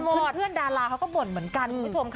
พี่คุณดาราเขาก็บ่นเหมือนกัน